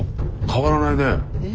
変わらないね。